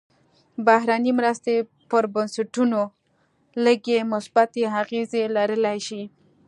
بهرنۍ مرستې پر بنسټونو لږې مثبتې اغېزې لرلی شي.